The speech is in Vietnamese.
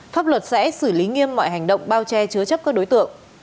pháp luật sẽ xử lý nghiêm mọi hành động bao che chứa chấp các đối tượng